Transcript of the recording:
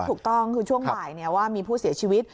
ถูกต้องคือช่วงบ่ายว่ามีผู้เสียชีวิต